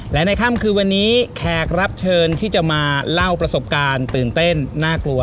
และในค่ำคืนวันนี้แขกรับเชิญที่จะมาเล่าประสบการณ์ตื่นเต้นน่ากลัว